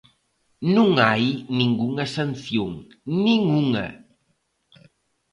Non hai ningunha sanción, ¡nin unha!